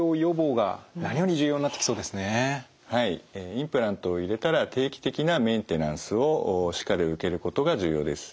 インプラントを入れたら定期的なメンテナンスをしっかり受けることが重要です。